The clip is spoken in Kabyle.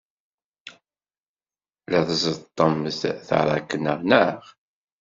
La tẓeṭṭemt taṛakna, naɣ?